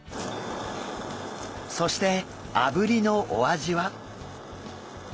そしてあぶりのお味は？